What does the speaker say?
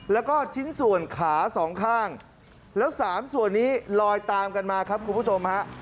แล้วก็ชิ้นส่วนขาสองข้างแล้ว๓ส่วนนี้ลอยตามกันมาครับคุณผู้ชมฮะ